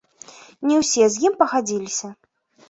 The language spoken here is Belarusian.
Не ўсе з ім пагадзіліся.